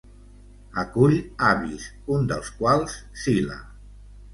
Acull avis, un dels quals Sila.